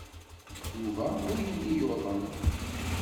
Yuba ur yelli yuḍen.